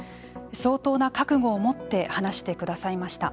相当な覚悟を持って話してくださいました。